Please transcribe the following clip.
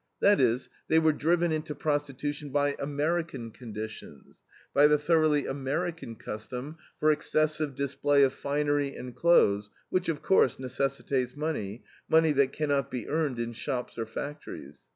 That is, they were driven into prostitution by American conditions, by the thoroughly American custom for excessive display of finery and clothes, which, of course, necessitates money, money that cannot be earned in shops or factories.